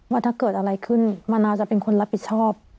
ว่าถ้าเกิดอะไรขึ้นมะนาวจะเป็นคนรับผิดชอบ